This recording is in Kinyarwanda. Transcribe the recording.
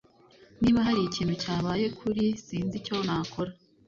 Niba hari ikintu cyabaye kuri , sinzi icyo nakora.